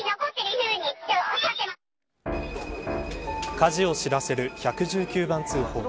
火事を知らせる１１９番通報。